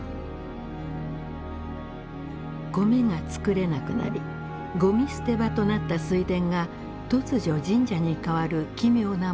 コメが作れなくなりゴミ捨て場となった水田が突如神社に変わる奇妙な物語。